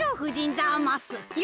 ざます。